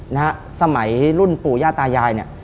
ในสมัยรุ่นปู่ย่าตายาย